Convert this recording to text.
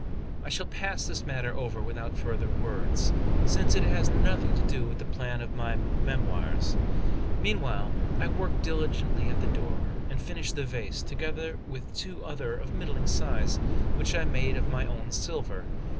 I shall pass this matter over without further words, since it has nothing to do with the plan of my 'Memoirs.' Meanwhile, I worked diligently at the door, and finished the vase, together with two others of middling size, which I made of my own silver.